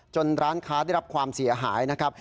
ร้านค้าได้รับความเสียหายนะครับ